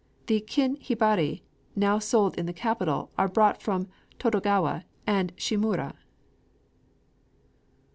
The kin hibari now sold in the capital are brought from Todogawa and Shimura.